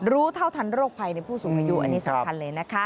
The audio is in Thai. รู้เท่าทันโรคภัยในผู้สูงอายุอันนี้สำคัญเลยนะคะ